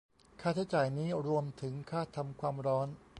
ค่าใช้จ่ายนี้รวมถึงค่าทำความร้อน